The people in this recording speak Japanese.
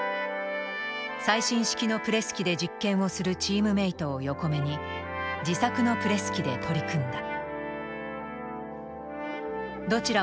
最新式のプレス機で実験をするチームメートを横目に自作のプレス機で取り組んだ。